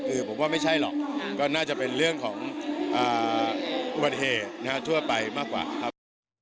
คือผมว่าไม่ใช่หรอกก็น่าจะเป็นเรื่องของอุบัติเหตุทั่วไปมากกว่าครับ